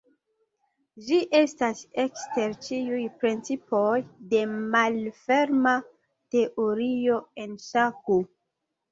Ĝi estas ekster ĉiuj principoj de malferma teorio en ŝako.